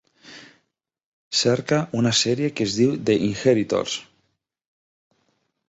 Cerca una sèrie que es diu "The Inheritors".